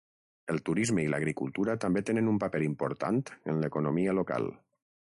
El turisme i l'agricultura també tenen un paper important en l'economia local.